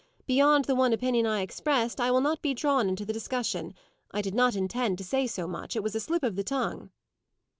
"Beyond the one opinion I expressed, I will not be drawn into the discussion. I did not intend to say so much: it was a slip of the tongue."